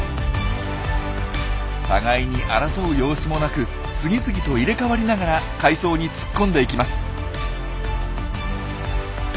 互いに争う様子もなく次々と入れ代わりながら海藻に突っ込んでいきます。